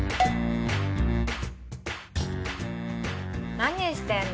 何してんの？